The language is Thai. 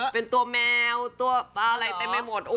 เป็นตัวแมวตัวอะไรเต็มไปหมด